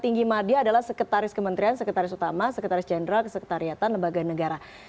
tinggi media adalah sekretaris kementerian sekretaris utama sekretaris jenderal sekretariatan dan bagian negara